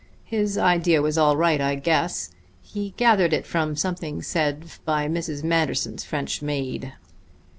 His idea was all right, I guess; he gathered it from something said by Mrs. Manderson's French maid."